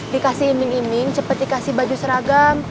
dikasih iming iming cepat dikasih baju seragam